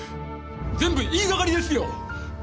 全部言いがかりですよ！